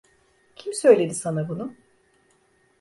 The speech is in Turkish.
Kim söyledi sana bunu?